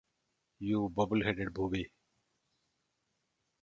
You Bubble-headed Booby!